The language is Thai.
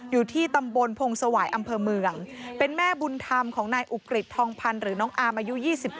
อยู่ที่ตำบลพงศวายอำเภอเมืองเป็นแม่บุญธรรมของนายอุกฤษทองพันธ์หรือน้องอามอายุ๒๗